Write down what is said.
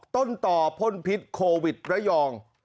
ต้นต่อพ่นพิษโควิดระยอง